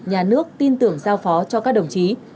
nhà nước tin tưởng giao phó cho các đồng chí